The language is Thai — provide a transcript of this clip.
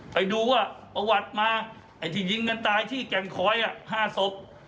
ไปดูว่าประวัติมาไอ้ที่ยิงกันตายที่แก่งคอย๕ศพ